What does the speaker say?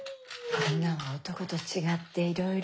女は男と違っていろいろ。